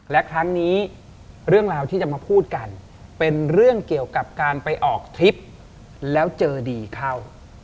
และครั้งนี้เรื่องราวที่จะมาพูดกันเป็นเรื่องเกี่ยวกับการไปออกทริปแล้วเจอดีเข้า